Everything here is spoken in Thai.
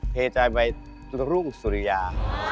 เทใจไปรุ่งสุริยา